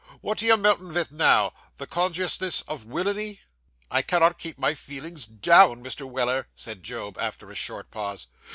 What are you melting vith now? The consciousness o' willainy?' 'I cannot keep my feelings down, Mr. Weller,' said Job, after a short pause.